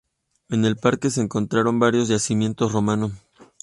En el Parque se encontraron varios yacimientos romanos.